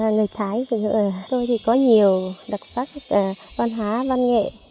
người thái tôi có nhiều đặc sắc văn hóa văn nghệ